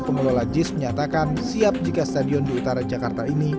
pengelola jis menyatakan siap jika stadion di utara jakarta ini